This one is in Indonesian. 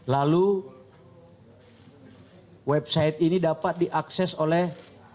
lalu website ini dapat diakses oleh